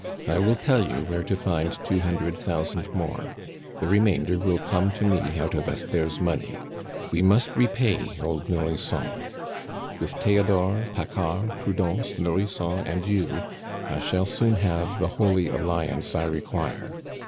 I will tell you where to find two hundred thousand more. The remainder will come to me out of Esther's money. We must repay old Nourrisson. With Theodore, Paccard, Prudence, Nourrisson, and you, I shall soon have the holy alliance I require.